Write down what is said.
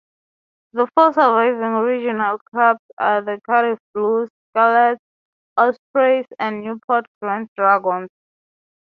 The four surviving regional clubs are Cardiff Blues, Scarlets, Ospreys and Newport Gwent Dragons.